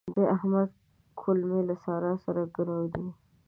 د احمد کولمې له سارا سره ګرو دي.